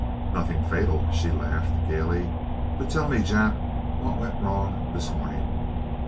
"Nothing fatal," she laughed gaily. "But tell me, Jap, what went wrong this morning?"